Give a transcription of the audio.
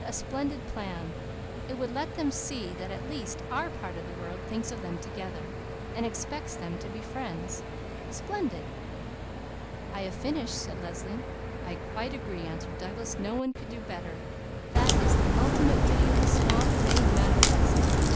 "A splendid plan! It would let them see that at least our part of the world thinks of them together, and expects them to be friends. Splendid!" "I have finished," said Leslie. "I quite agree," answered Douglas. "No one could do better. That is the ultimate beauty of the swamp made manifest.